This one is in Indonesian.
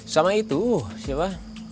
sama itu siapa